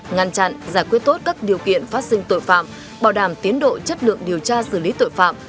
ngăn chặn giải quyết tốt các điều kiện phát sinh tội phạm bảo đảm tiến độ chất lượng điều tra xử lý tội phạm